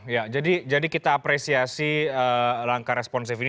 ya jadi kita apresiasi langkah responsif ini